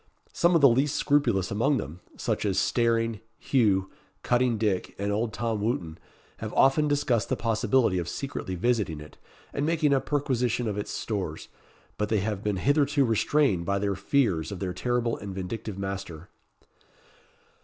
Some of the least scrupulous among them such as Staring, Hugh, Cutting Dick, and old Tom Wootton have often discussed the possibility of secretly visiting it, and making a perquisition of its stores; but they have been hitherto restrained by their fears of their terrible and vindictive master.